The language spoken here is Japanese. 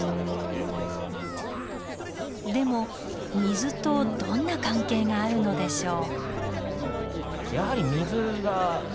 でも水とどんな関係があるのでしょう。